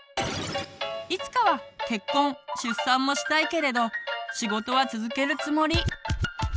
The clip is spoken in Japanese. いつかは結婚・出産もしたいけれど仕事は続けるつもり。